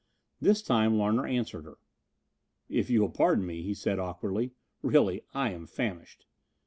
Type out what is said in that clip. This time Larner answered her. "If you will pardon me," he said awkwardly. "Really I am famished."